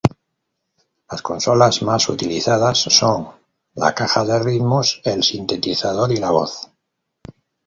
Las consolas más utilizados son la caja de ritmos, el sintetizador y la voz.